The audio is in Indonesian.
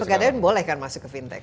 dan pegadaian boleh kan masuk ke fintech